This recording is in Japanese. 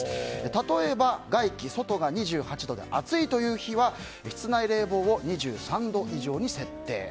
例えば外気が２８度で暑いという日は室内温度を２３度以上に設定。